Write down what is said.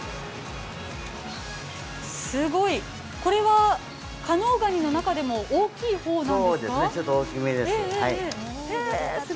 すごい、これは加能ガニの中でも大きい方なんですか？